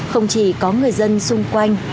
không chỉ có người dân xung quanh